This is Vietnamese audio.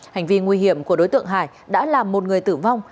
hành vi nguy hiểm của đối tượng hải đã làm một người tử vong